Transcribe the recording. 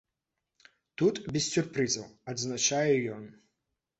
Тут без сюрпрызаў, адзначае ён.